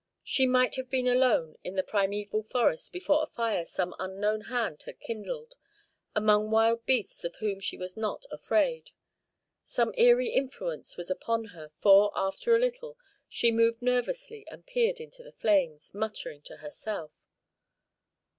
She might have been alone, in the primeval forest, before a fire some unknown hand had kindled, among wild beasts of whom she was not afraid. Some eerie influence was upon her, for, after a little, she moved nervously, and peered into the flames, muttering to herself.